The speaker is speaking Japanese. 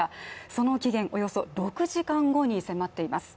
その期限、およそ６時間後に迫っています。